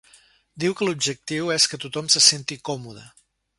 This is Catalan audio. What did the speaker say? Diu que l’objectiu és que ‘tothom se senti còmode’.